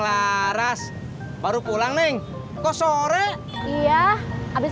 mas pur laras boleh minta tolong nggak